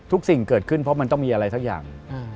สิ่งเกิดขึ้นเพราะมันต้องมีอะไรสักอย่าง